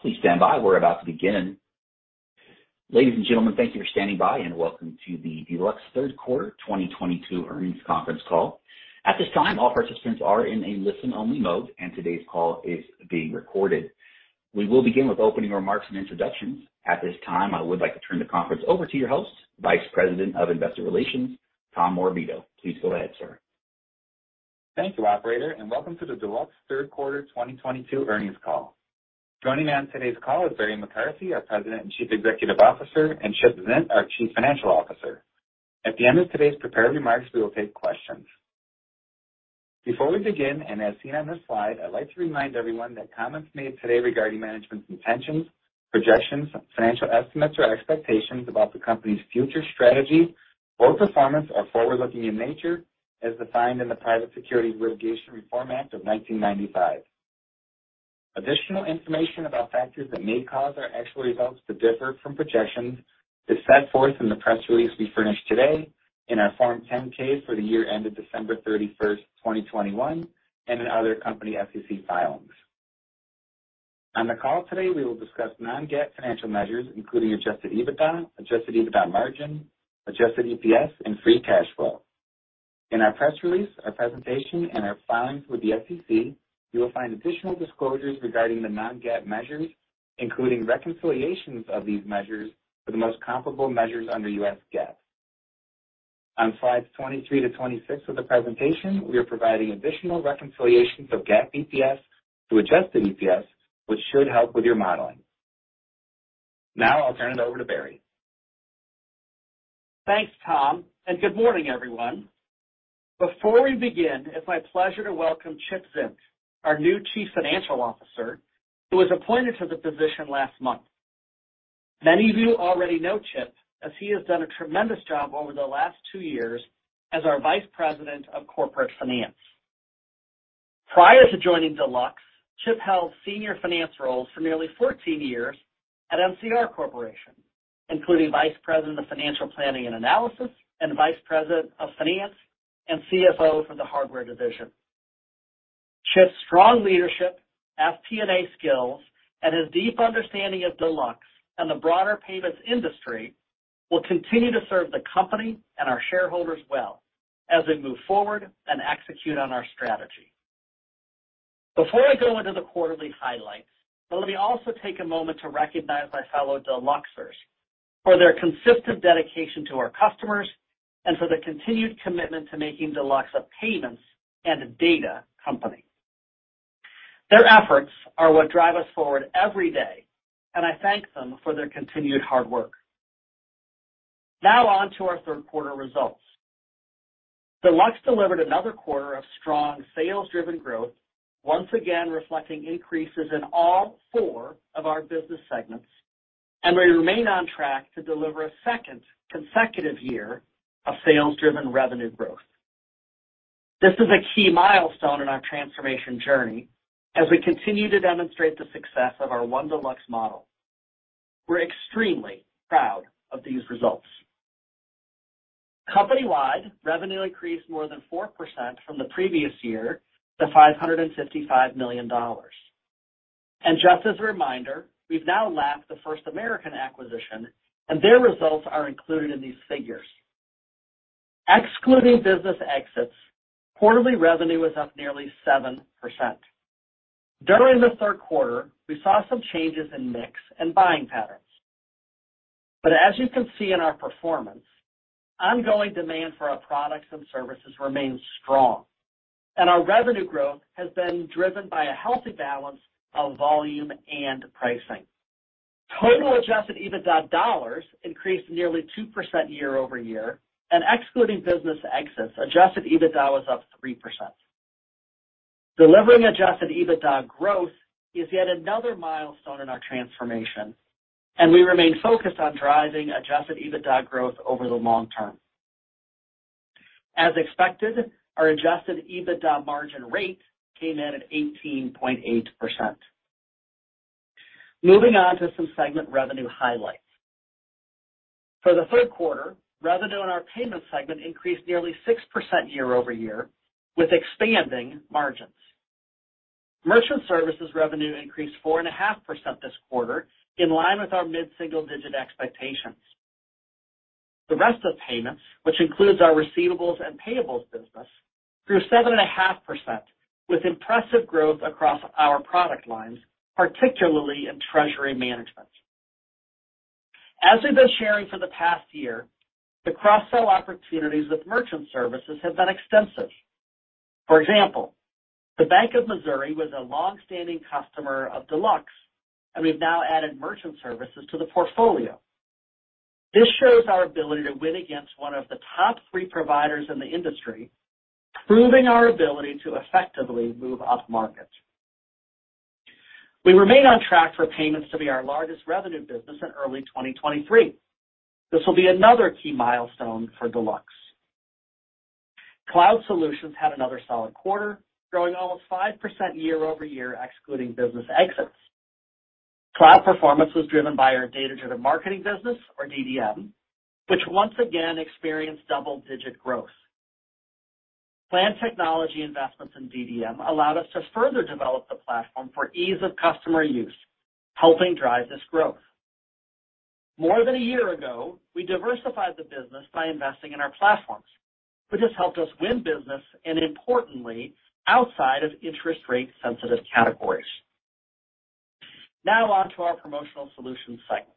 Please stand by. We're about to begin. Ladies and gentlemen, thank you for standing by, and welcome to the Deluxe Third Quarter 2022 Earnings Conference Call. At this time, all participants are in a listen-only mode, and today's call is being recorded. We will begin with opening remarks and introductions. At this time, I would like to turn the conference over to your host, Vice President of Investor Relations, Tom Morabito. Please go ahead, sir. Thank you operator, and welcome to the Deluxe third quarter 2022 earnings call. Joining me on today's call is Barry McCarthy, our President and Chief Executive Officer, and Chip Zint, our Chief Financial Officer. At the end of today's prepared remarks, we will take questions. Before we begin, and as seen on this slide, I'd like to remind everyone that comments made today regarding management's intentions, projections, financial estimates, or expectations about the company's future strategy or performance are forward-looking in nature, as defined in the Private Securities Litigation Reform Act of 1995. Additional information about factors that may cause our actual results to differ from projections is set forth in the press release we furnished today, in our Form 10-K for the year ended December 31, 2021, and in other company SEC filings. On the call today, we will discuss non-GAAP financial measures, including adjusted EBITDA, adjusted EBITDA margin, adjusted EPS, and free cash flow. In our press release, our presentation, and our filings with the SEC, you will find additional disclosures regarding the non-GAAP measures, including reconciliations of these measures for the most comparable measures under U.S. GAAP. On slides 23-26 of the presentation, we are providing additional reconciliations of GAAP EPS to adjusted EPS, which should help with your modeling. Now I'll turn it over to Barry. Thanks Tom, and good morning everyone. Before we begin, it's my pleasure to welcome Chip Zint, our new Chief Financial Officer, who was appointed to the position last month. Many of you already know Chip, as he has done a tremendous job over the last two years as our Vice President of Corporate Finance. Prior to joining Deluxe, Chip held Senior Finance roles for nearly 14 years at NCR Corporation, including Vice President of Financial Planning & Analysis, and Vice President of Finance and Chief Financial Officer for the hardware division. Chip's strong leadership, FP&A skills, and his deep understanding of Deluxe and the broader payments industry will continue to serve the company and our shareholders well as we move forward and execute on our strategy. Before I go into the quarterly highlights, let me also take a moment to recognize my fellow Deluxers for their consistent dedication to our customers and for the continued commitment to making Deluxe a payments and a data company. Their efforts are what drive us forward every day, and I thank them for their continued hard work. Now on to our third quarter results. Deluxe delivered another quarter of strong sales-driven growth, once again reflecting increases in all four of our business segments, and we remain on track to deliver a second consecutive year of sales-driven revenue growth. This is a key milestone in our transformation journey as we continue to demonstrate the success of our One Deluxe model. We're extremely proud of these results. Company-wide, revenue increased more than 4% from the previous year to $555 million. Just as a reminder, we've now lapped the First American acquisition, and their results are included in these figures. Excluding business exits, quarterly revenue was up nearly 7%. During the third quarter, we saw some changes in mix and buying patterns. As you can see in our performance, ongoing demand for our products and services remains strong, and our revenue growth has been driven by a healthy balance of volume and pricing. Total adjusted EBITDA dollars increased nearly 2% year-over-year and excluding business exits, adjusted EBITDA was up 3%. Delivering adjusted EBITDA growth is yet another milestone in our transformation, and we remain focused on driving adjusted EBITDA growth over the long term. As expected, our adjusted EBITDA margin rate came in at 18.8%. Moving on to some segment revenue highlights. For the third quarter, revenue in our payments segment increased nearly 6% year over year with expanding margins. Merchant services revenue increased 4.5% this quarter, in line with our mid-single-digit expectations. The rest of payments, which includes our receivables and payables business, grew 7.5%, with impressive growth across our product lines, particularly in treasury management. As we've been sharing for the past year, the cross-sell opportunities with merchant services have been extensive. For example, The Bank of Missouri was a long-standing customer of Deluxe, and we've now added merchant services to the portfolio. This shows our ability to win against one of the top three providers in the industry, proving our ability to effectively move upmarket. We remain on track for payments to be our largest revenue business in early 2023. This will be another key milestone for Deluxe. Cloud Solutions had another solid quarter, growing almost 5% year-over-year, excluding business exits. Cloud performance was driven by our data-driven marketing business or DDM, which once again experienced double-digit growth. Planned technology investments in DDM allowed us to further develop the platform for ease of customer use, helping drive this growth. More than a year ago, we diversified the business by investing in our platforms, which has helped us win business and importantly, outside of interest-rate-sensitive categories. Now on to our Promotional Solutions segment.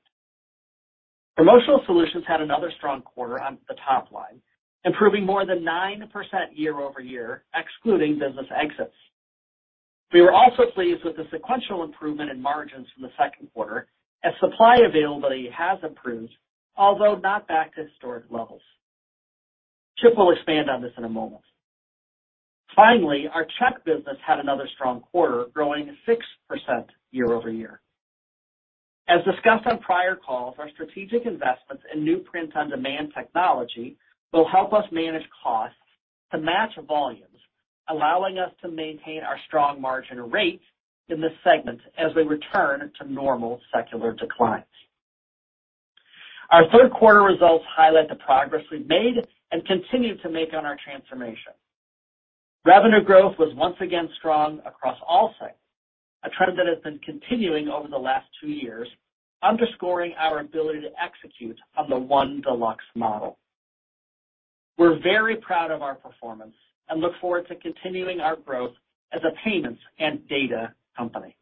Promotional Solutions had another strong quarter on the top line, improving more than 9% year-over-year excluding business exits. We were also pleased with the sequential improvement in margins from the second quarter as supply availability has improved although not back to historic levels. Chip will expand on this in a moment. Finally our Check Business had another strong quarter, growing 6% year-over-year. As discussed on prior calls, our strategic investments in new print on demand technology will help us manage costs to match volumes, allowing us to maintain our strong margin rate in this segment as we return to normal secular declines. Our third quarter results highlight the progress we've made and continue to make on our transformation. Revenue growth was once again strong across all segments, a trend that has been continuing over the last two years, underscoring our ability to execute on the One Deluxe model. We're very proud of our performance and look forward to continuing our growth as a payments and data company.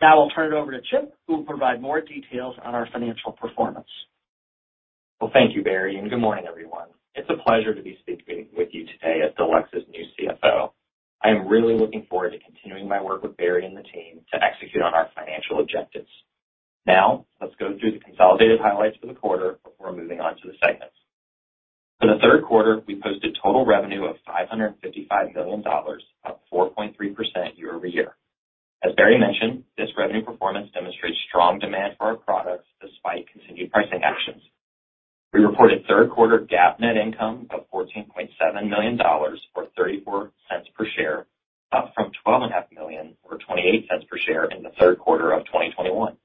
Now I'll turn it over to Chip, who will provide more details on our financial performance. Well thank you Barry, and good morning, everyone. It's a pleasure to be speaking with you today as Deluxe's new Chief Financial Officer. I am really looking forward to continuing my work with Barry and the team to execute on our financial objectives. Now, let's go through the consolidated highlights for the quarter before moving on to the segments. For the third quarter, we posted total revenue of $555 million, up 4.3% year over year. As Barry mentioned, this revenue performance demonstrates strong demand for our products despite continued pricing actions. We reported third quarter GAAP net income of $14.7 million, or $0.34 per share, up from $12.5 million or $0.28 per share in the third quarter of 2021.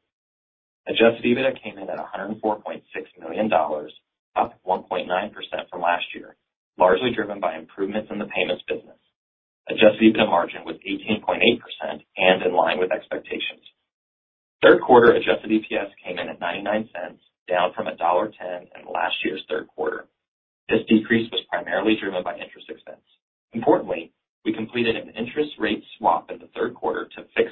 Adjusted EBITDA came in at $104.6 million, up 1.9% from last year, largely driven by improvements in the payments business. Adjusted EBITDA margin was 18.8% and in line with expectations. Third quarter adjusted EPS came in at $0.99, down from $1.10 in last year's third quarter. This decrease was primarily driven by interest expense. Importantly, we completed an interest rate swap in the third quarter to fix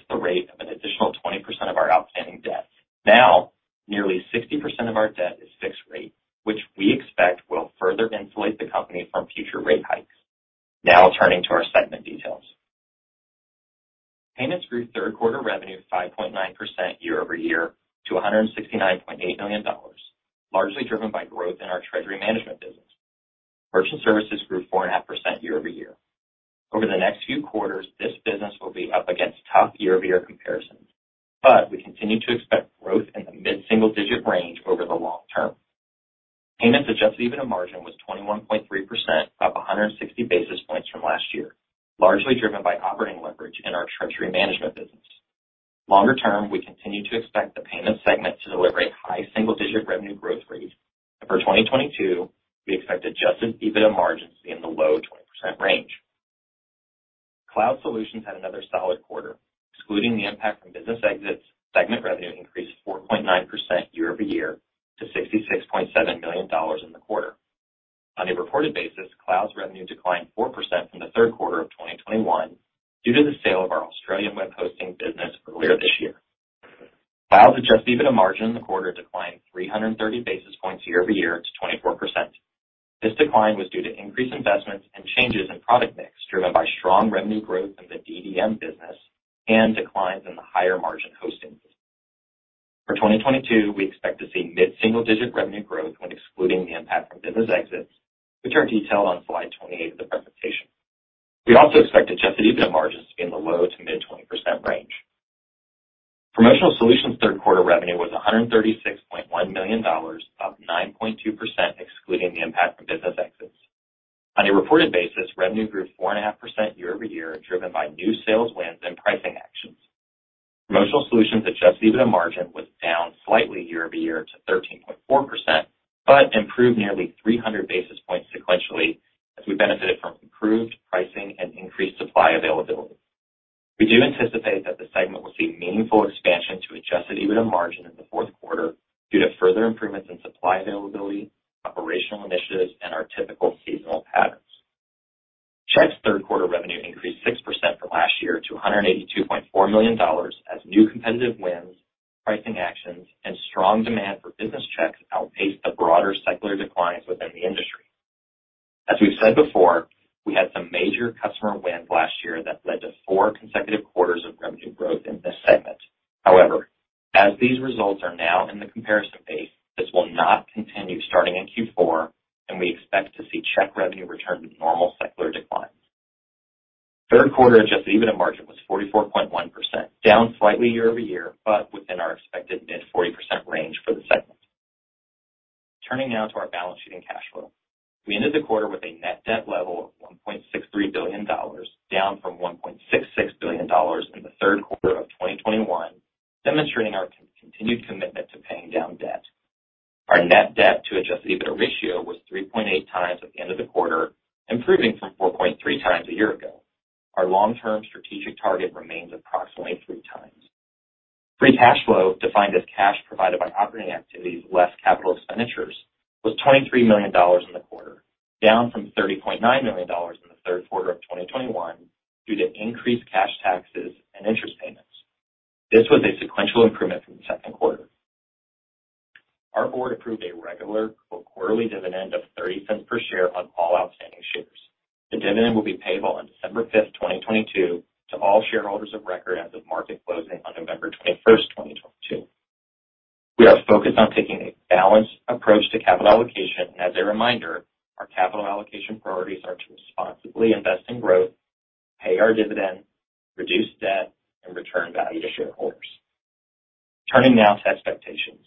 Promotional Solutions third quarter revenue was $136.1 million, up 9.2% excluding the impact from business exits. On a reported basis, revenue grew 4.5% year-over-year, driven by new sales wins and pricing actions. Promotional Solutions adjusted EBITDA margin was down slightly year-over-year to 13.4%, but improved nearly 300 basis points sequentially as we benefited from improved pricing and increased supply availability. We do anticipate that the segment will see meaningful expansion to adjusted EBITDA margin in the fourth quarter due to further improvements in supply availability, operational initiatives, and our typical seasonal patterns. Checks third quarter revenue increased 6% from last year to $182.4 million as new competitive wins, pricing actions, and strong demand for business checks outpaced the broader secular declines within the industry. We've said before, we had some major customer wins last year that led to four consecutive quarters of revenue growth in this segment. However, as these results are now in the comparison base, this will not continue starting in Q4, and we expect to see check revenue return to normal secular declines. Third quarter adjusted EBITDA margin was 44.1%, down slightly year-over-year, but within our expected mid-40% range for the segment. Turning now to our balance sheet and cash flow. We ended the quarter with a net debt level of $1.63 billion, down from $1.66 billion in the third quarter of 2021, demonstrating our continued commitment to paying down debt. Our net debt to adjusted EBITDA ratio was 3.8 times at the end of the quarter, improving from 4.3 times a year ago. Our long-term strategic target remains approximately 3 times. Free cash flow, defined as cash provided by operating activities less capital expenditures, was $23 million in the quarter, down from $30.9 million in the third quarter of 2021 due to increased cash taxes and interest payments. This was a sequential improvement from the second quarter. Our board approved a regular quarterly dividend of $0.30 per share on all outstanding shares. The dividend will be payable on December 5, 2022, to all shareholders of record as of market closing on November 21, 2022. We are focused on taking a balanced approach to capital allocation. As a reminder, our capital allocation priorities are to responsibly invest in growth, pay our dividend, reduce debt, and return value to shareholders. Turning now to expectations.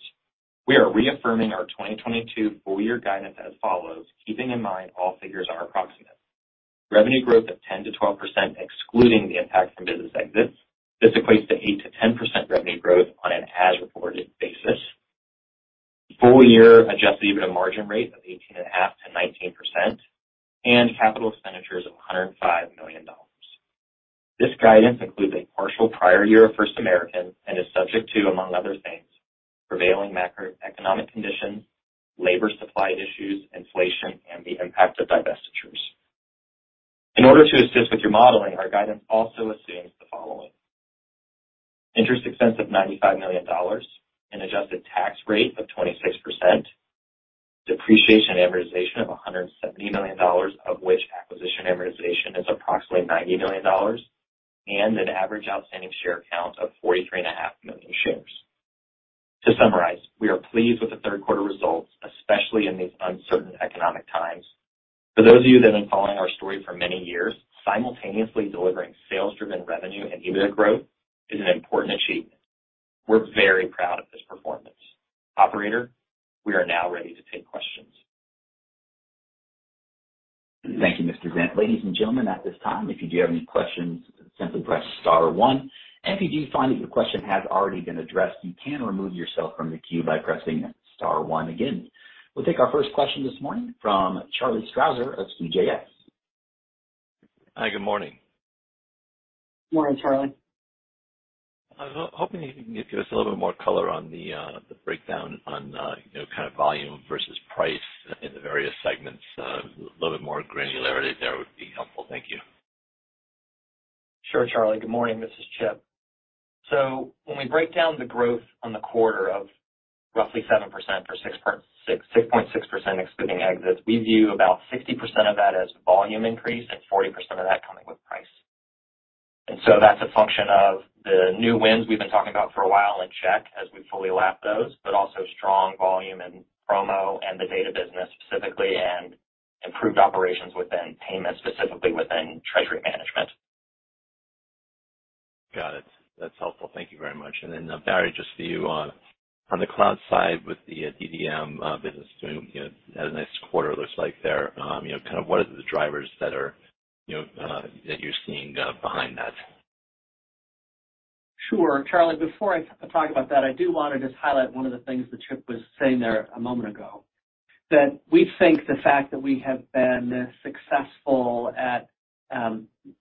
We are reaffirming our 2022 full year guidance as follows, keeping in mind all figures are approximate. Revenue growth of 10%-12%, excluding the impact from business exits. This equates to 8%-10% revenue growth on an as-reported basis. Full year adjusted EBITDA margin rate of 18.5%-19% and capital expenditures of $105 million. This guidance includes a partial prior year of First American and is subject to, among other things, prevailing macroeconomic conditions, labor supply issues, inflation, and the impact of divestitures. In order to assist with your modeling, our guidance also assumes the following, interest expense of $95 million, an adjusted tax rate of 26%, depreciation and amortization of $170 million, of which acquisition amortization is approximately $90 million, and an average outstanding share count of 43.5 million shares. To summarize, we are pleased with the third quarter results, especially in these uncertain economic times. For those of you that have been following our story for many years, simultaneously delivering sales-driven revenue and EBITDA growth is an important achievement. We're very proud of this performance. Operator, we are now ready to take questions. Thank you, Mr. Zint. Ladies and gentlemen, at this time, if you have any questions, simply press star one. If you do find that your question has already been addressed, you can remove yourself from the queue by pressing star one again. We'll take our first question this morning from Charles Strauzer of CJS. Hi, good morning. Morning, Charles. I was hoping you could give us a little bit more color on the breakdown on, you know, kind of volume versus price in the various segments. A little bit more granularity there would be helpful. Thank you. Sure, Charles. Good morning. This is Chip. When we break down the growth on the quarter of roughly 7% or 6.6% excluding exits, we view about 60% of that as volume increase and 40% of that coming with price. That's a function of the new wins we've been talking about for a while in check as we fully lap those, but also strong volume and promo and the data business specifically, and improved operations within payments, specifically within treasury management. Got it. That's helpful. Thank you very much. Barry, just for you, on the cloud side with the DDM business, you know, had a nice quarter looks like there. You know, kind of what are the drivers you know that you're seeing behind that? Sure Charlie before I talk about that, I do want to just highlight one of the things that Chip was saying there a moment ago, that we think the fact that we have been successful at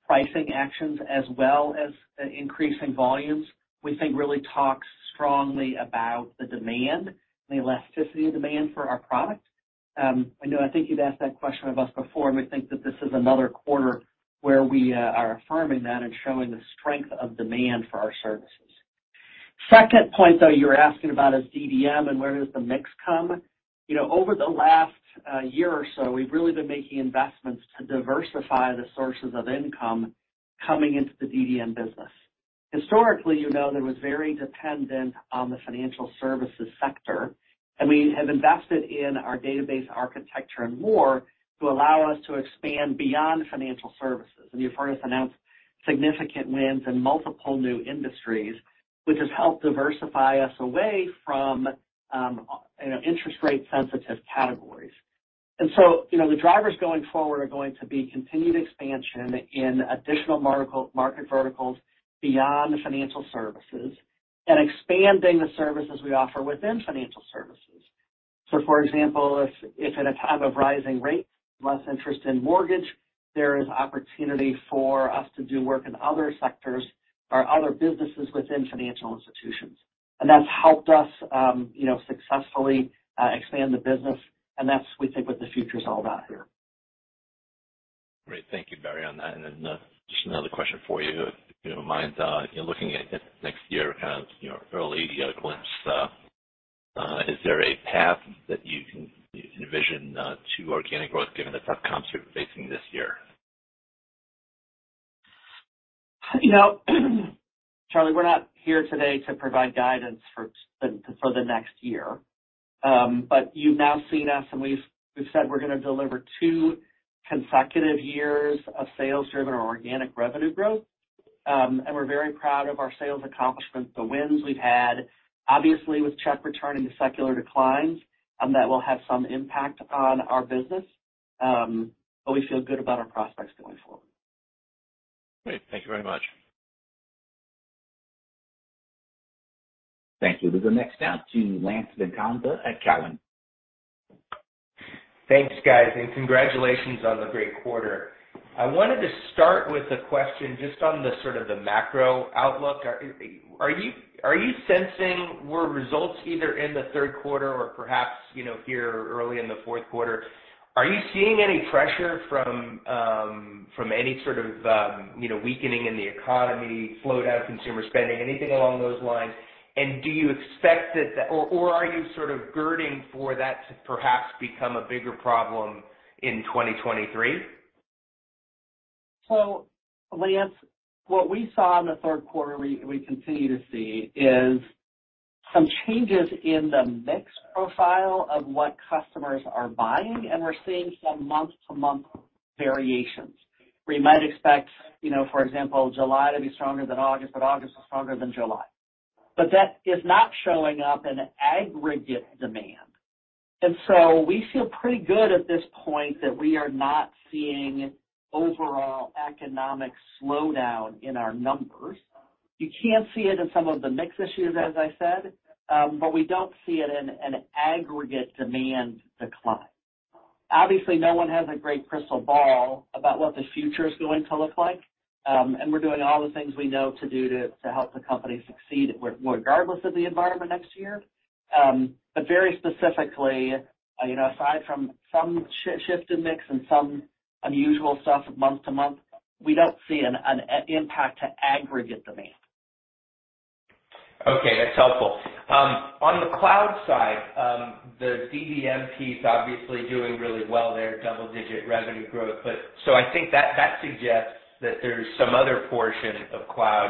pricing actions as well as increasing volumes we think really talks strongly about the demand and the elasticity of demand for our product. I know I think you'd asked that question of us before, and we think that this is another quarter where we are affirming that and showing the strength of demand for our services. Second point, though, you're asking about is DDM and where does the mix come? You know, over the last year or so, we've really been making investments to diversify the sources of income coming into the DDM business. Historically you know that was very dependent on the financial services sector, and we have invested in our database architecture and more to allow us to expand beyond financial services. You've heard us announce significant wins in multiple new industries, which has helped diversify us away from, you know, interest rate sensitive categories. You know, the drivers going forward are going to be continued expansion in additional market verticals beyond financial services and expanding the services we offer within financial services. For example, if in a time of rising rates, less interest in mortgage, there is opportunity for us to do work in other sectors or other businesses within financial institutions. That's helped us you know successfully expand the business and that's we think what the future is all about here. Great Thank you, Barry on that. Just another question for you. You know, you're looking at next year kind of you know early glimpse. Is there a path that you can envision to organic growth given the tough comps you're facing this year? You know, Charles we're not here today to provide guidance for the next year. You've now seen us and we've said we're going to deliver two consecutive years of sales-driven or organic revenue growth. We're very proud of our sales accomplishments the wins we've had. Obviously, with checks returning to secular declines that will have some impact on our business. We feel good about our prospects going forward. Great. Thank you very much. Thank you. We'll go next now to Lance Vitanza at Cowen. Thanks guys, and congratulations on the great quarter. I wanted to start with a question just on sort of the macro outlook. Are you sensing weaker results either in the third quarter or perhaps you know here early in the fourth quarter, are you seeing any pressure from any sort of you know weakening in the economy, slowdown consumer spending anything along those lines? Do you expect it or are you sort of girding for that to perhaps become a bigger problem in 2023? Lance, what we saw in the third quarter, we continue to see, is some changes in the mix profile of what customers are buying. We're seeing some month-to-month variations where you might expect you know for example, July to be stronger than August, but August is stronger than July. That is not showing up in aggregate demand. We feel pretty good at this point that we are not seeing overall economic slowdown in our numbers. You can see it in some of the mix issues as I said but we don't see it in an aggregate demand decline. Obviously no one has a great crystal ball about what the future is going to look like. We're doing all the things we know to do to help the company succeed regardless of the environment next year. Very specifically, you know, aside from some shift in mix and some unusual stuff month to month, we don't see an impact to aggregate demand. Okay, that's helpful. On the cloud side the DDM piece obviously doing really well there double-digit revenue growth. I think that suggests that there's some other portion of cloud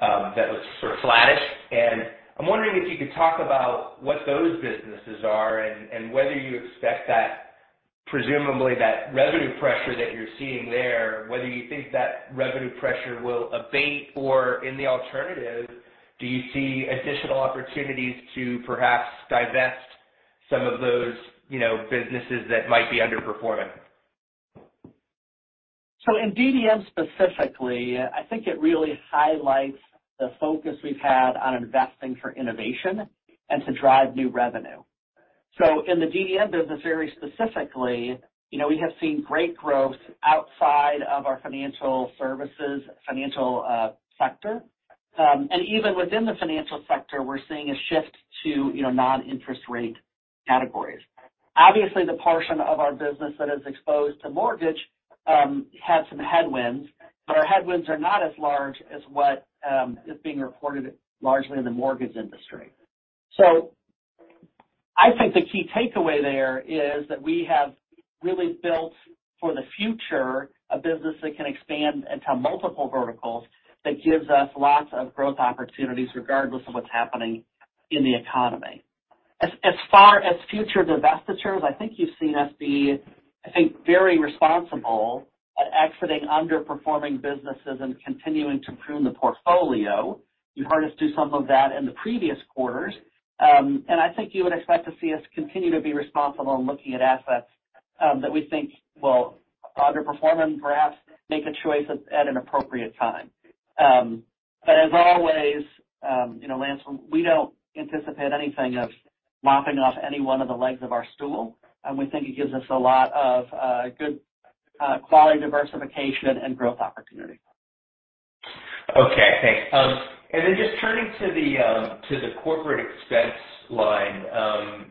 that was sort of flattish. I'm wondering if you could talk about what those businesses are and whether you expect that, presumably that revenue pressure that you're seeing there, whether you think that revenue pressure will abate or in the alternative, do you see additional opportunities to perhaps divest some of those you know businesses that might be underperforming? In DDM specifically, I think it really highlights the focus we've had on investing for innovation and to drive new revenue. In the DDM business very specifically, you know we have seen great growth outside of our financial services sector. And even within the financial sector, we're seeing a shift to you know non-interest rate categories. Obviously, the portion of our business that is exposed to mortgage had some headwinds, but our headwinds are not as large as what is being reported largely in the mortgage industry. I think the key takeaway there is that we have really built for the future a business that can expand into multiple verticals that gives us lots of growth opportunities regardless of what's happening in the economy. As far as future divestitures, I think you've seen us be I think very responsible at exiting underperforming businesses and continuing to prune the portfolio. You heard us do some of that in the previous quarters. I think you would expect to see us continue to be responsible in looking at assets that we think will underperform and perhaps make a choice at an appropriate time. As always, you know, Lance, we don't anticipate anything of lopping off any one of the legs of our stool. We think it gives us a lot of good quality diversification and growth opportunity. Okay thanks. Then just turning to the corporate expense line.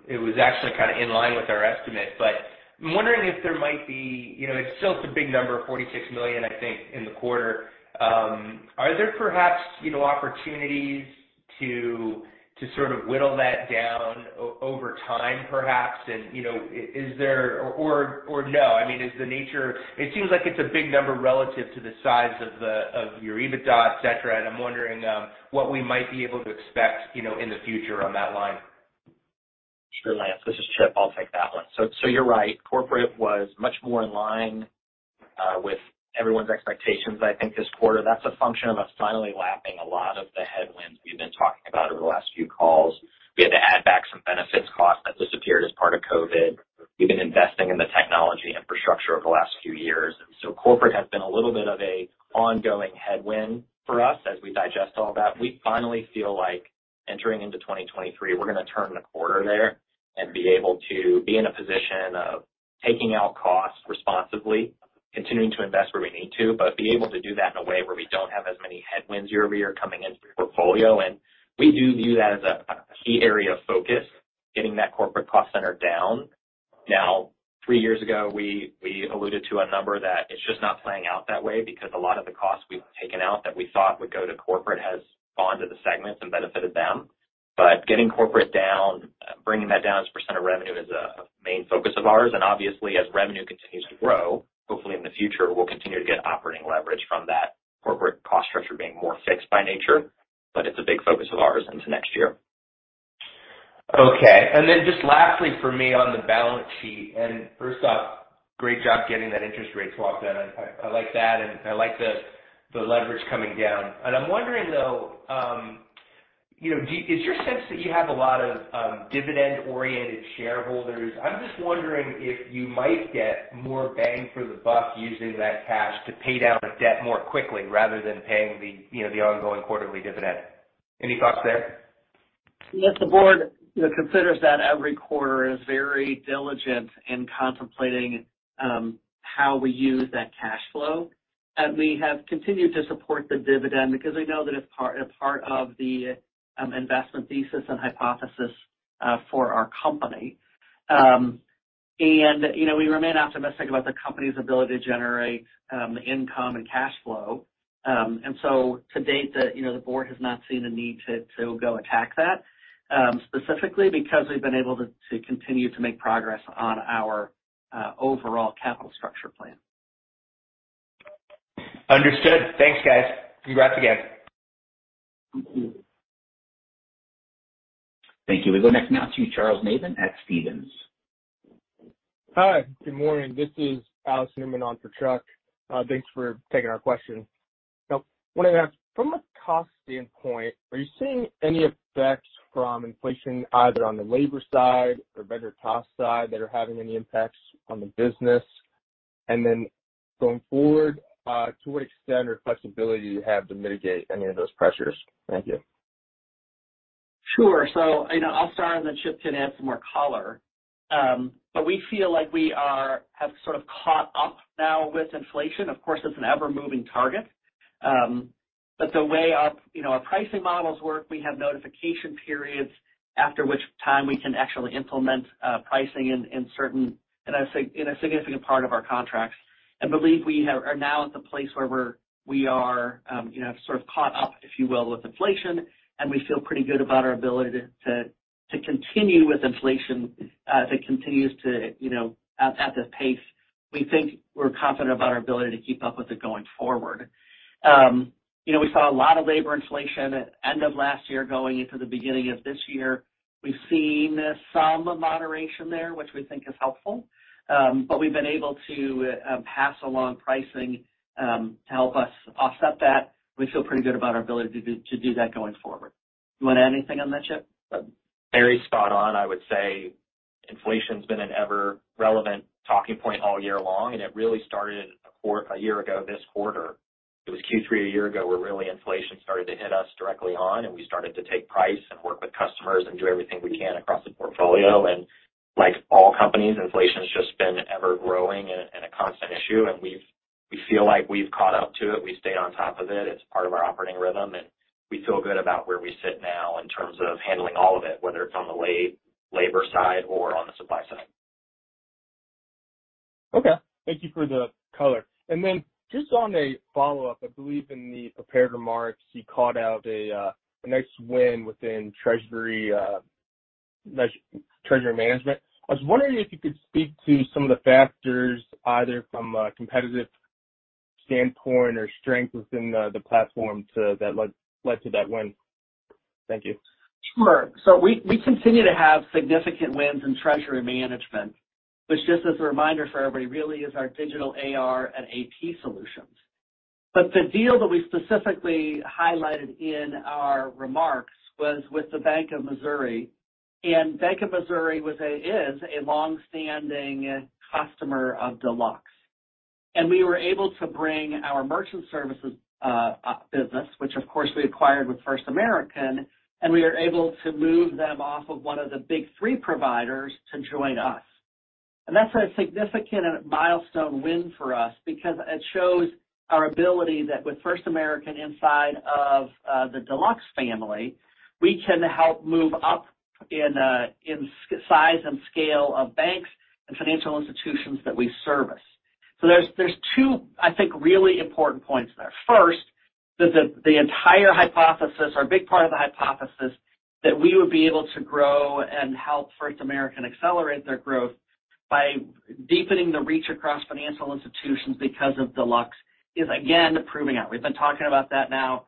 It was actually kind of in line with our estimate, but I'm wondering if there might be you know it's still a big number, $46 million, I think in the quarter. Are there perhaps, you know opportunities to sort of whittle that down over time perhaps? You know is there or no I mean is the nature. It seems like it's a big number relative to the size of your EBITDA, et cetera. I'm wondering what we might be able to expect, you know, in the future on that line. Sure Lance. This is Chip. I'll take that one. So you're right. Corporate was much more in line with everyone's expectations I think this quarter. That's a function of us finally lapping a lot of the headwinds we've been talking about over the last few calls. We had to add back some benefits costs that disappeared as part of COVID. We've been investing in the technology infrastructure over the last few years. Corporate has been a little bit of an ongoing headwind for us as we digest all that. We finally feel like entering into 2023, we're gonna turn the corner there and be able to be in a position of taking out costs responsibly, continuing to invest where we need to, but be able to do that in a way where we don't have as many headwinds year-over-year coming into the portfolio. We do view that as a key area of focus, getting that corporate cost center down. Now, three years ago, we alluded to a number that it's just not playing out that way because a lot of the costs we've taken out that we thought would go to corporate has gone to the segments and benefited them. Getting corporate down, bringing that down as a % of revenue is a main focus of ours. Obviously, as revenue continues to grow, hopefully in the future, we'll continue to get operating leverage from that corporate cost structure being more fixed by nature. It's a big focus of ours into next year. Okay. Then just lastly for me on the balance sheet. First off, great job getting that interest rate swap in. I like that, and I like the leverage coming down. I'm wondering though, you know, is your sense that you have a lot of dividend-oriented shareholders? I'm just wondering if you might get more bang for the buck using that cash to pay down debt more quickly rather than paying the, you know, the ongoing quarterly dividend. Any thoughts there? Yes, the board you know considers that every quarter is very diligent in contemplating how we use that cash flow. We have continued to support the dividend because we know that it's part of the investment thesis and hypothesis for our company. You know, we remain optimistic about the company's ability to generate income and cash flow. To date, you know, the board has not seen a need to go attack that specifically because we've been able to continue to make progress on our overall capital structure plan. Understood. Thanks, guys. Congrats again. Thank you. Thank you. We go next now to Charles Nabhan at Stephens. Hi, good morning. This is Alex Newman on for Chuck. Thanks for taking our question. Now, I wanna ask, from a cost standpoint, are you seeing any effects from inflation either on the labor side or vendor cost side that are having any impacts on the business? Going forward, to what extent or flexibility do you have to mitigate any of those pressures? Thank you. Sure. You know, I'll start, and then Chip can add some more color. We have sort of caught up now with inflation. Of course, it's an ever-moving target. The way our, you know, our pricing models work, we have notification periods after which time we can actually implement pricing in a significant part of our contracts. I believe we are now at the place where we are, you know, sort of caught up, if you will, with inflation. We feel pretty good about our ability to continue with inflation as it continues to, you know, at the pace. We think we're confident about our ability to keep up with it going forward. You know, we saw a lot of labor inflation at end of last year going into the beginning of this year. We've seen some moderation there, which we think is helpful. We've been able to pass along pricing to help us offset that. We feel pretty good about our ability to do that going forward. You wanna add anything on that, Chip? Very spot on. I would say inflation's been an ever relevant talking point all year long, and it really started a year ago this quarter. It was Q3 a year ago, where really inflation started to hit us directly on, and we started to take price and work with customers and do everything we can across the portfolio. Like all companies, inflation's just been ever-growing and a constant issue. We feel like we've caught up to it. We stay on top of it. It's part of our operating rhythm, and we feel good about where we sit now in terms of handling all of it, whether it's on the labor side or on the supply side. Okay. Thank you for the color. Just on a follow-up, I believe in the prepared remarks, you called out a nice win within treasury management. I was wondering if you could speak to some of the factors either from a competitive standpoint or strength within the platform that led to that win. Thank you. Sure. We continue to have significant wins in treasury management, which just as a reminder for everybody, really is our digital AR and AP solutions. The deal that we specifically highlighted in our remarks was with The Bank of Missouri. The Bank of Missouri is a long-standing customer of Deluxe. We were able to bring our merchant services business, which of course we acquired with First American, and we were able to move them off of one of the big three providers to join us. That's a significant milestone win for us because it shows our ability that with First American inside of the Deluxe family, we can help move up in size and scale of banks and financial institutions that we service. There's two, I think, really important points there. First that the entire hypothesis or a big part of the hypothesis that we would be able to grow and help First American accelerate their growth by deepening the reach across financial institutions because of Deluxe is again proving out. We've been talking about that now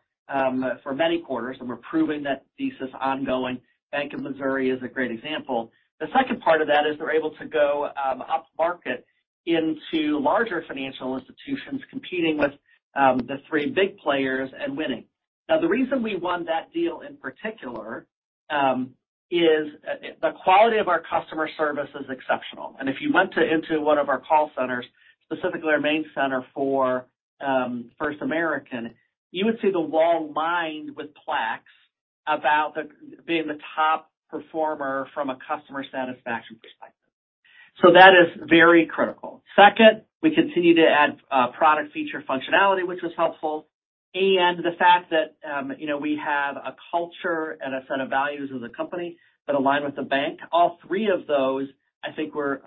for many quarters, and we're proving that thesis ongoing. The Bank of Missouri is a great example. The second part of that is we're able to go upmarket into larger financial institutions competing with the three big players and winning. Now, the reason we won that deal in particular is the quality of our customer service is exceptional. If you went into one of our call centers, specifically our main center for First American, you would see the wall lined with plaques about being the top performer from a customer satisfaction perspective. That is very critical. Second, we continue to add product feature functionality, which was helpful. The fact that, you know, we have a culture and a set of values as a company that align with the bank. All three of those, I think were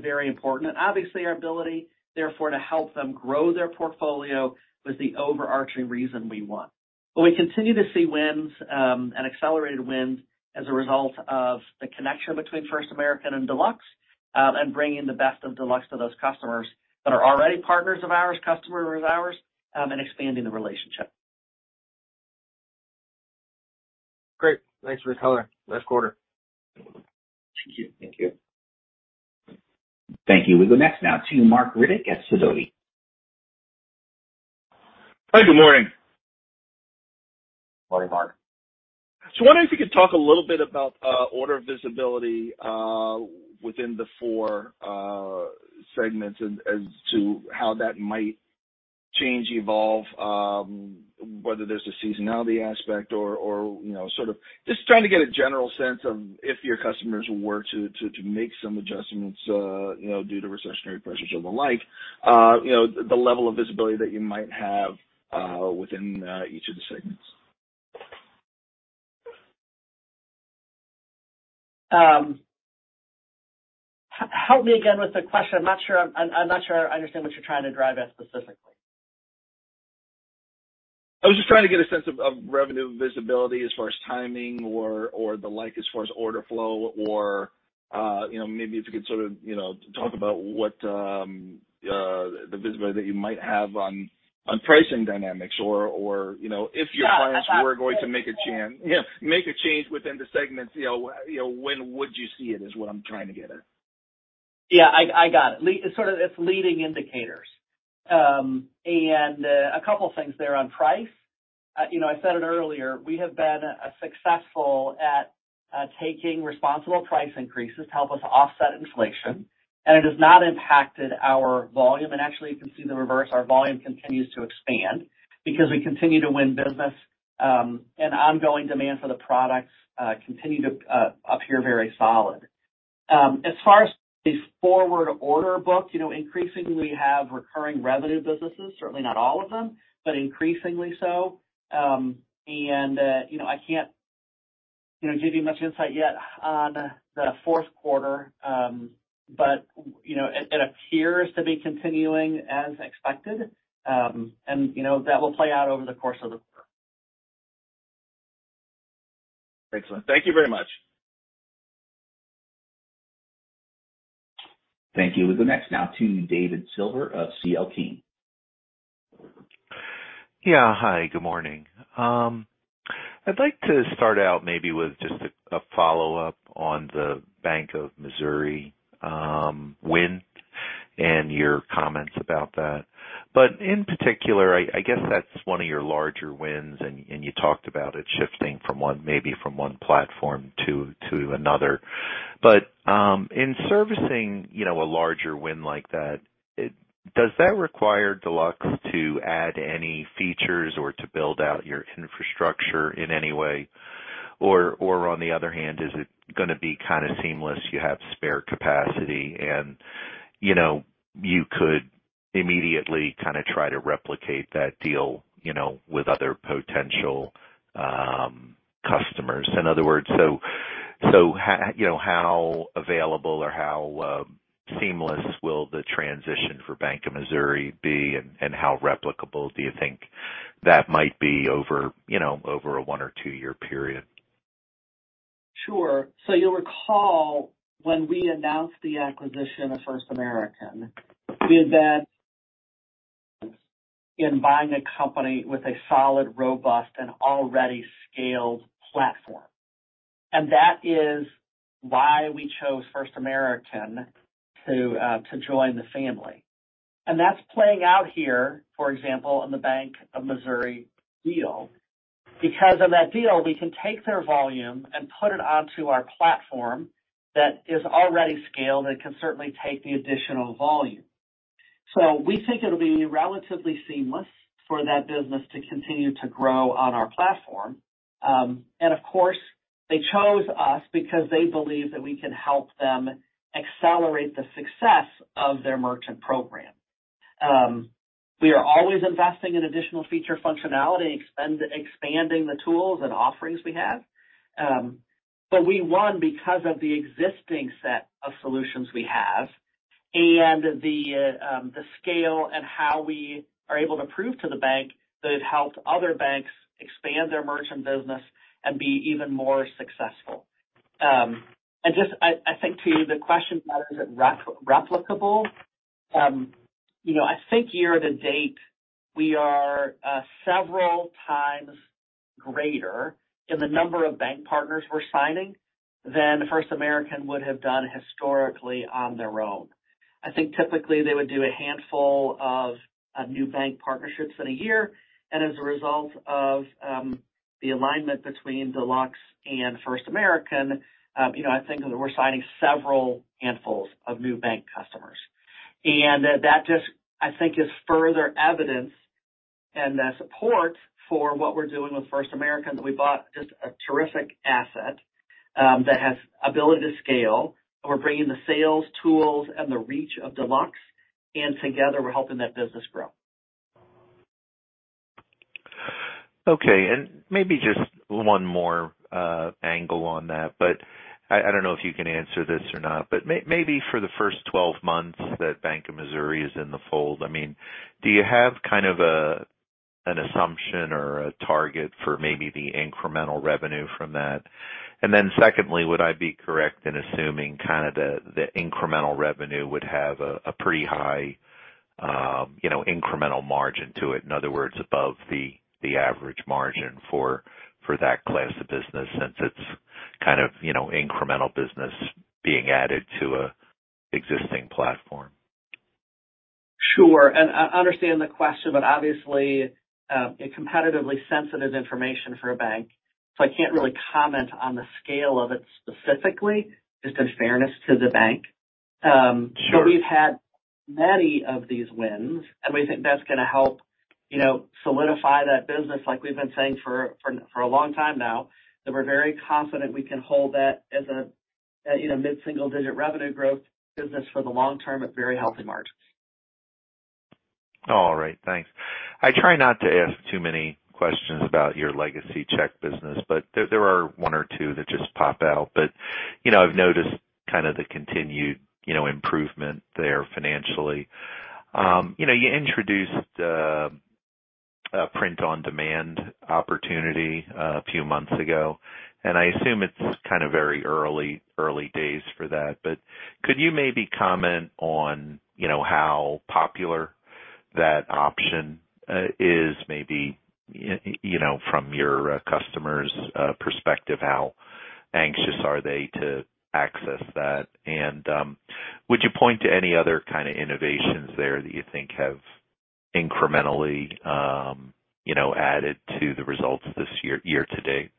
very important. Obviously our ability, therefore, to help them grow their portfolio was the overarching reason we won. We continue to see wins and accelerated wins as a result of the connection between First American and Deluxe and bringing the best of Deluxe to those customers that are already partners of ours, and expanding the relationship. Great. Thanks for your color this quarter. Thank you. Thank you. Thank you. We go next now to Marc Riddick at Sidoti. Hi, good morning. Morning, Marc. wondering if you could talk a little bit about order visibility within the four segments as to how that might change, evolve, whether there's a seasonality aspect or you know, sort of just trying to get a general sense of if your customers were to make some adjustments you know, due to recessionary pressures or the like you know the level of visibility that you might have within each of the segments. Help me again with the question. I'm not sure I understand what you're trying to drive at specifically. I was just trying to get a sense of revenue visibility as far as timing or the like as far as order flow or you know maybe if you could sort of you know talk about what the visibility that you might have on pricing dynamics or, you know, if your clients were going to make a change within the segments, you know, when would you see it is what I'm trying to get at. Yeah I got it. Leading indicators. A couple things there on price. You know, I said it earlier, we have been successful at taking responsible price increases to help us offset inflation, and it has not impacted our volume. Actually you can see the reverse. Our volume continues to expand because we continue to win business, and ongoing demand for the products continue to appear very solid. As far as the forward order book you know increasingly we have recurring revenue businesses, certainly not all of them, but increasingly so. You know, I can't give you much insight yet on the fourth quarter. It appears to be continuing as expected. You know that will play out over the course of the. Excellent. Thank you very much. Thank you. We'll go next now to David Silver of C.L. King & Associates. Yeah. Hi, good morning. I'd like to start out maybe with just a follow-up on the Bank of Missouri win and your comments about that. In particular, I guess that's one of your larger wins, and you talked about it shifting maybe from one platform to another. In servicing, you know, a larger win like that, does that require Deluxe to add any features or to build out your infrastructure in any way? On the other hand, is it gonna be kind of seamless, you have spare capacity and, you know, you could immediately kind of try to replicate that deal, you know, with other potential customers? In other words, how available or how seamless will the transition for Bank of Missouri be, and how replicable do you think that might be over, you know, over a one or two-years period? Sure. You'll recall when we announced the acquisition of First American, we had that in buying a company with a solid, robust and already scaled platform. That is why we chose First American to join the family. That's playing out here, for example, in the Bank of Missouri deal. Because of that deal, we can take their volume and put it onto our platform that is already scaled and can certainly take the additional volume. We think it'll be relatively seamless for that business to continue to grow on our platform. Of course, they chose us because they believe that we can help them accelerate the success of their merchant program. We are always investing in additional feature functionality, expanding the tools and offerings we have. We won because of the existing set of solutions we have and the scale and how we are able to prove to the bank that it helped other banks expand their merchant business and be even more successful. Just I think to the question about, is it replicable, you know, I think year to date, we are several times greater in the number of bank partners we're signing than First American would have done historically on their own. I think typically they would do a handful of new bank partnerships in a year. As a result of the alignment between Deluxe and First American, you know, I think we're signing several handfuls of new bank customers. That just, I think, is further evidence and the support for what we're doing with First American, that we bought just a terrific asset, that has ability to scale. We're bringing the sales tools and the reach of Deluxe, and together we're helping that business grow. Okay. Maybe just one more angle on that, but I don't know if you can answer this or not, but maybe for the first 12 months that Bank of Missouri is in the fold, I mean, do you have kind of an assumption or a target for maybe the incremental revenue from that? And then secondly, would I be correct in assuming kind of the incremental revenue would have a pretty high, you know, incremental margin to it? In other words, above the average margin for that class of business since it's kind of, you know, incremental business being added to an existing platform. Sure. I understand the question, but obviously, a competitively sensitive information for a bank, so I can't really comment on the scale of it specifically, just in fairness to the bank. Sure. We've had many of these wins, and we think that's gonna help, you know, solidify that business like we've been saying for a long time now, that we're very confident we can hold that as a, you know, mid-single-digit revenue growth business for the long term at very healthy margins. All right. Thanks. I try not to ask too many questions about your legacy check business, but there are one or two that just pop out. You know, I've noticed kind of the continued, you know, improvement there financially. You know, you introduced a print on demand opportunity a few months ago, and I assume it's kind of very early days for that. Could you maybe comment on, you know, how popular that option is maybe, you know, from your customers' perspective, how anxious are they to access that? And would you point to any other kind of innovations there that you think have incrementally, you know, added to the results this year to date?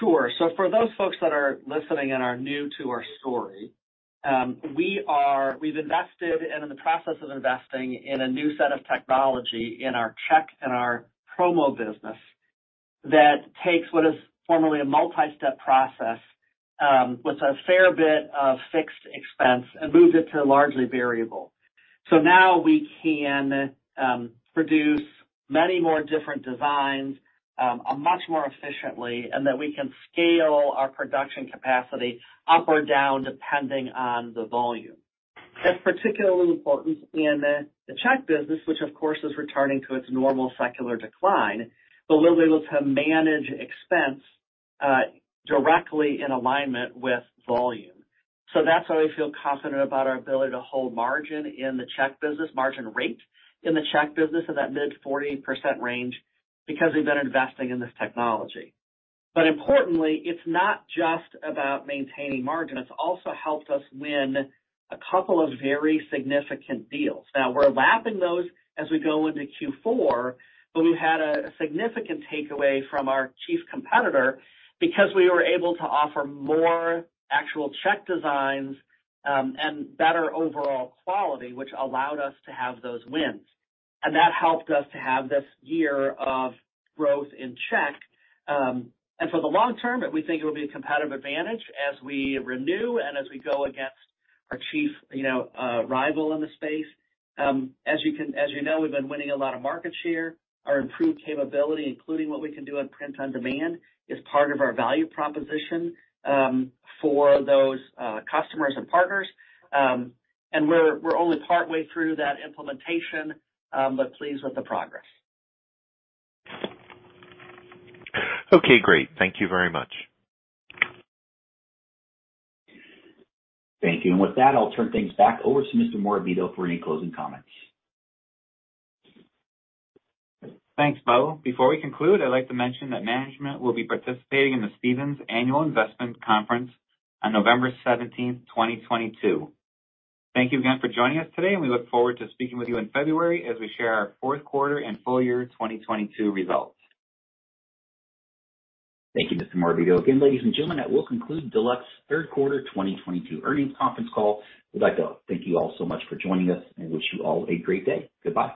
Sure. For those folks that are listening and are new to our story, we've invested and in the process of investing in a new set of technology in our check and our promo business that takes what is formerly a multi-step process, with a fair bit of fixed expense and moves it to largely variable. Now we can produce many more different designs, much more efficiently, and that we can scale our production capacity up or down, depending on the volume. That's particularly important in the check business, which of course is returning to its normal secular decline. We'll be able to manage expense directly in alignment with volume. That's why we feel confident about our ability to hold margin in the check business, margin rate in the check business in that mid-40% range because we've been investing in this technology. Importantly, it's not just about maintaining margin. It's also helped us win a couple of very significant deals. Now we're lapping those as we go into Q4, but we've had a significant takeaway from our chief competitor because we were able to offer more actual check designs, and better overall quality, which allowed us to have those wins. That helped us to have this year of growth in check, and for the long term, we think it will be a competitive advantage as we renew and as we go against our chief, you know, rival in the space. As you can. As you know, we've been winning a lot of market share. Our improved capability, including what we can do in print on demand, is part of our value proposition for those customers and partners. We're only partway through that implementation, but pleased with the progress. Okay, great. Thank you very much. Thank you. With that, I'll turn things back over to Mr. Morabito for any closing comments. Thanks, Bo. Before we conclude, I'd like to mention that management will be participating in the Stephens Annual Investment Conference on November 17, 2022. Thank you again for joining us today, and we look forward to speaking with you in February as we share our fourth quarter and full year 2022 results. Thank you, Mr. Morabito. Again, ladies and gentlemen, that will conclude Deluxe third quarter 2022 earnings conference call. We'd like to thank you all so much for joining us and wish you all a great day. Goodbye.